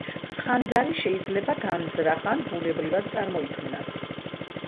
ხანძარი შეიძლება განზრახ ან ბუნებრივად წარმოიქმნას.